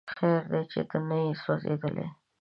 خیر دی چې ته نه یې سوځېدلی